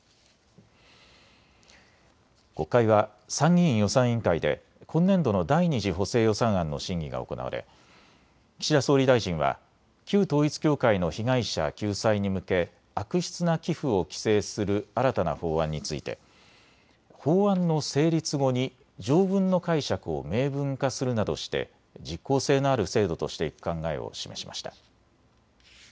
国会は参議院予算委員会で今年度の第２次補正予算案の審議が行われ岸田総理大臣は旧統一教会の被害者救済に向け悪質な寄付を規制する新たな法案について法案の成立後に条文の解釈を明文化するなどして実効性のある制度としていく考えを示しました。